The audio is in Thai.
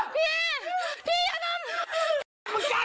พี่ขอพี่อย่า